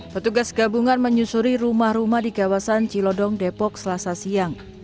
petugas gabungan menyusuri rumah rumah di kawasan cilodong depok selasa siang